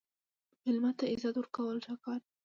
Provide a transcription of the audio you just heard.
مېلمه ته عزت ورکول ښه کار دی.